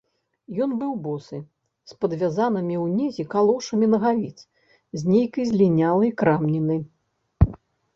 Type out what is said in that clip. Ён быў босы, з падвязанымі ўнізе калошамі нагавіц з нейкай злінялай крамніны.